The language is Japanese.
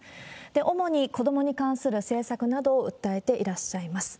主に子どもに関する政策などを訴えていらっしゃいます。